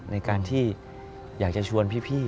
ในการที่อยากจะชวนพี่